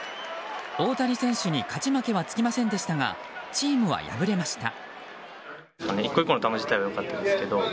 大谷選手に勝ち負けはつきませんでしたがチームは敗れました。